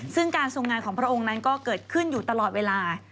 ซึ่งการทรงงานของพระองค์นั้นก็เกิดขึ้นอยู่ตลอดเวลา